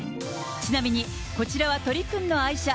ちなみにこちらは鳥くんの愛車。